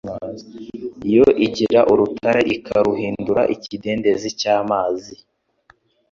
yo igira urutare ikaruhindura ikidendezi cy’amazi